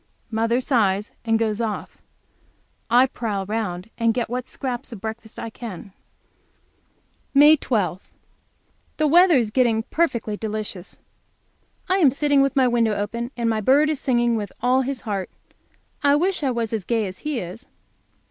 Mother sighs and goes off. I prowl round and get what scraps of breakfast I can. May 12. The weather is getting perfectly delicious. I am sitting with my window open, and my bird is singing with all his heart. I wish I was as gay as he is.